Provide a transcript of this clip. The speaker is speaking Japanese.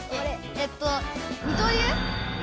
えっと二刀流！